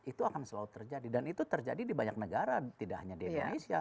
itu akan selalu terjadi dan itu terjadi di banyak negara tidak hanya di indonesia